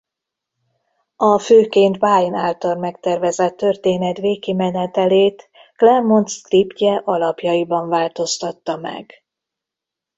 A főként Byrne által megtervezett történet végkimenetelét Claremont szkriptje alapjaiban változtatta meg.